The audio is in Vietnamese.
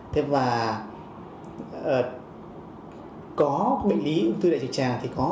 thế và có bệnh lý ung thư đại trực tràng thì có